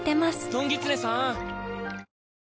どんぎつねさーん！